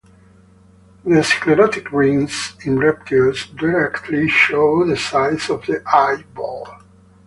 The sclerotic rings in reptiles directly show the size of the eyeball.